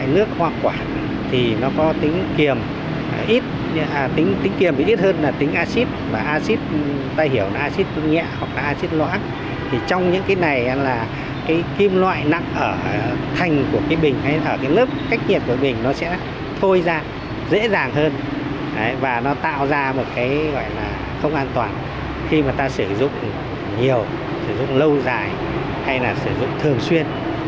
lâu dài hay là sử dụng thường xuyên cái bình giữ nhiệt điều này